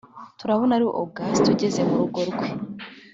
turabona ari august ugeze mu rugo rwe